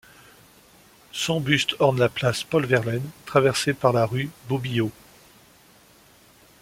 Son buste orne la place Paul-Verlaine, traversée par la rue Bobillot.